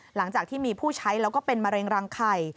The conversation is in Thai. หลังจากที่มีผู้ใช้แล้วก็เป็นมะเร็งรังไข่